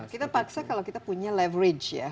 kita paksa kalau kita punya leverage ya